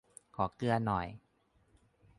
ขอเกลือหน่อย